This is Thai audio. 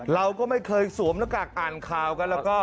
เราก็ไม่เคยสวมหน้ากากอ่านข่าวกันแล้วก็